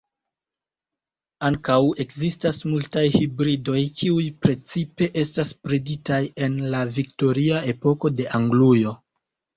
Ankaŭ ekzistas multaj hibridoj, kiuj precipe estas breditaj en la viktoria epoko de Anglujo.